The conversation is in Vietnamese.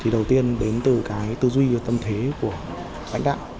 đầu tiên đến từ tư duy tâm thế của lãnh đạo